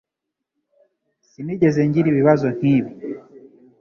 Sinigeze ngira ibibazo nkibi.